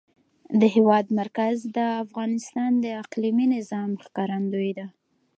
د هېواد مرکز د افغانستان د اقلیمي نظام ښکارندوی ده.